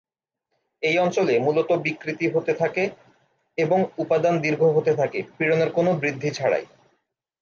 এই অঞ্চলে, মূলত বিকৃতি হতে থাকে এবং উপাদান দীর্ঘ হতে থাকে পীড়নের কোন বৃদ্ধি ছাড়াই।